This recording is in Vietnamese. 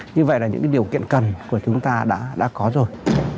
như vậy là những điều kiện cần của chúng ta đã có rồi